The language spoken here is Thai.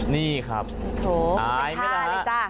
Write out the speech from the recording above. นี่ครับอายไหมละฮะ